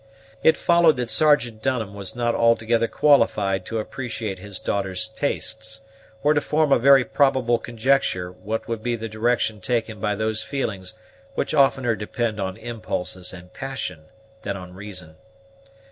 It followed that Sergeant Dunham was not altogether qualified to appreciate his daughter's tastes, or to form a very probable conjecture what would be the direction taken by those feelings which oftener depend on impulses and passion than on reason.